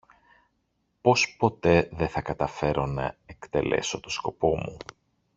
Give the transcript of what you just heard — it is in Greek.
Πως ποτέ δε θα καταφέρω να εκτελέσω το σκοπό μου